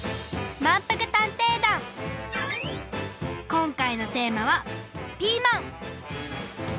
こんかいのテーマは「ピーマン」！